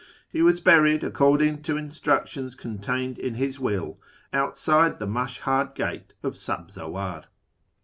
' jTe was buried, according to instructions contained in his will, utside the Mashhad gate of Sabzawar.